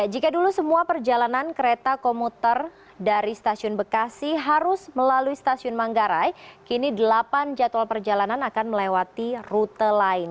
jika dulu semua perjalanan kereta komuter dari stasiun bekasi harus melalui stasiun manggarai kini delapan jadwal perjalanan akan melewati rute lain